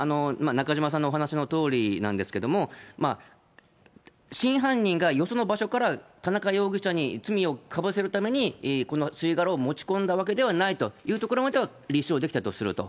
中島さんのお話のとおりなんですけども、真犯人がよその場所から田中容疑者に罪をかぶせるためにこの吸い殻を持ち込んだわけではないというところまでは立証できたとすると。